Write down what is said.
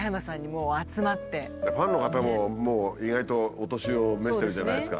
ファンの方ももう意外とお年を召してるじゃないですか。